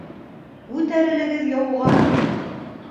Күтәрелегеҙ яуға!